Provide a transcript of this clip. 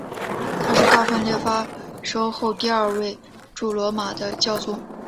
他是大分裂发生后第二位驻罗马的教宗。